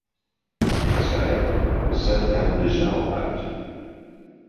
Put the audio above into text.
Ik zei: zet hem de zaal uit!